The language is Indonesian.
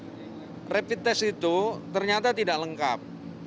nah rapid test itu ternyata tidak lengkap